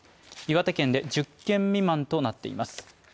岩手県で１０件未満となっています。